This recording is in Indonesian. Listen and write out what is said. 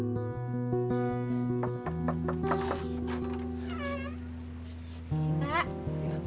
terima kasih pak